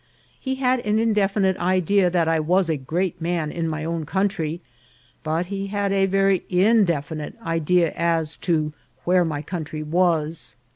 He had an indefinite idea that I was a great man in ray own country, but he had a very indefinite idea as to where my country was.